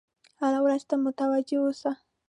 هرې ورځې ته متوجه اوسه.